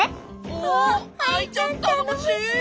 おっアイちゃんたのもしい！